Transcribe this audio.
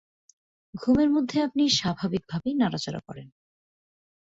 ঘুমের মধ্যে আপনি স্বাভাবিকভাবেই নড়াচড়া করেন।